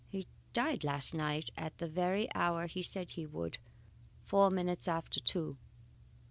He died last night at the very hour he said he would four minutes after two."